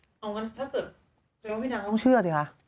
เอางั้นถ้าเกิดแสดงว่าพี่นางต้องเชื่อสิคะ